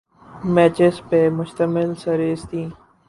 matches پہ مشتمل series تھی